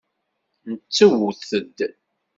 Nettewt-d!